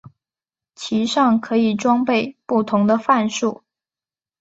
其上可以装备不同的范数。